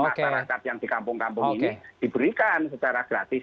masyarakat yang di kampung kampung ini diberikan secara gratis